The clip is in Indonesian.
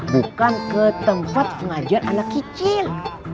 bukan ke tempat pengajar anak kecil